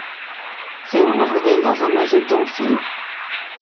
Feu-ne rodelles amb l'ajut d'un fil.